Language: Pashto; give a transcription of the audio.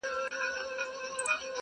کنې ګران افغانستانه له کنعانه ښایسته یې.